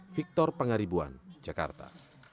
victor pengaribuan jakarta